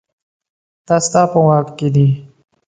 دا ستا په واک کې دي